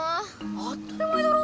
当たり前だろ。